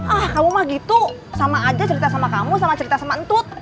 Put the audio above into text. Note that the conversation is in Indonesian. ah kamu mah gitu sama aja cerita sama kamu sama cerita sama entut